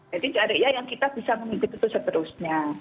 jadi caranya yang kita bisa mengikuti itu seterusnya